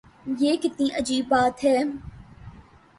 یہ کتنی عجیب بات ہے۔